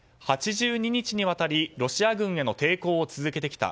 ８２日にわたりロシア軍への抵抗を続けてきた。